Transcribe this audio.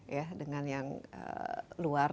ya dengan yang luar